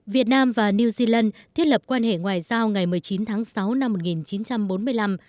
việt nam và new zealand thiết lập quan hệ ngoại giao ngày một mươi chín tháng sáu năm một nghìn chín trăm bốn mươi năm